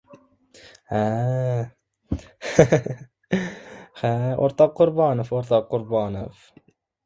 — A? Ha-ha-ha! Ha, o‘rtoq Qurbonov, o‘rtoq Qurbonov!